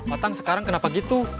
otang sekarang kenapa gitu